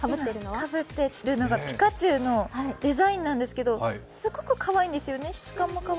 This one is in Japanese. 今かぶっているのがピカチュウのデザインなんですけどすごくかわいいんですよね。